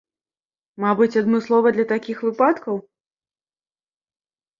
Мабыць, адмыслова для такіх выпадкаў?